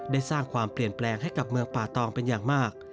ได้สร้างความเปลี่ยนแปลงให้กับเมืองป่าตองเป็นอย่างมาก